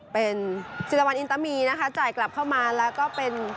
เป็นศิลปันอินตามีนะคะจ่ายกลับเข้ามาแล้วก็เป็น